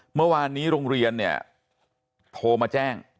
เมื่อวานนี้โรงเรียนเนี่ยโทรมาแจ้ง